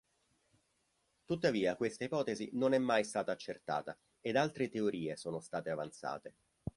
Tuttavia questa ipotesi non è mai stata accertata ed altre teorie sono state avanzate.